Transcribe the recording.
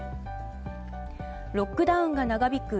ロックダウンが長引く